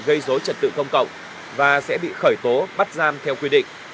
gây dối trật tự công cộng và sẽ bị khởi tố bắt giam theo quy định